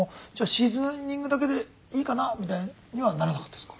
シーズニングだけでいいかなみたいにはならなかったですか？